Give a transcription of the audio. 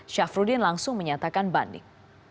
syafruddin langsung menyatakan banding